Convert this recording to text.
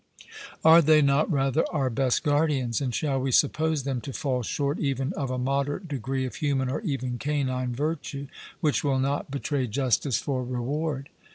Are they not rather our best guardians; and shall we suppose them to fall short even of a moderate degree of human or even canine virtue, which will not betray justice for reward?